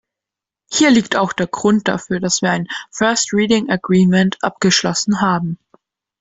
Hier liegt auch der Grund dafür, dass wir ein first reading agreement abgeschlossen haben.